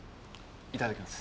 いただきます。